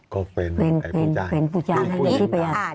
ก็เป็นผู้ชายผู้หญิงตาม